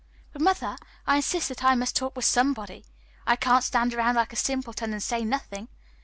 "But, mother, I insist that I must talk with somebody. I can't stand around like a simpleton, and say nothing.